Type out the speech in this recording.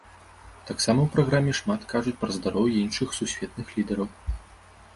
Таксама ў праграме шмат кажуць пра здароўе іншых сусветных лідараў.